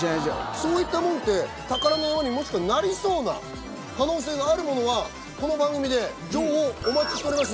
そういったものって宝の山になりそうな可能性があるものはこの番組で情報をお待ちしております。